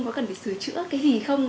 có cần phải sửa chữa cái gì không